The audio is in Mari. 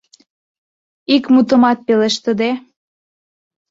Ик мутымат пелештыде...